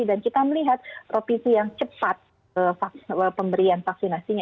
dan kita melihat provinsi yang cepat pemberian vaksinasinya